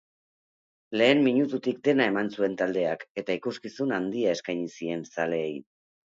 Lehen minututik dena eman zuen taldeak eta ikuskizun handia eskaini zien zaleei.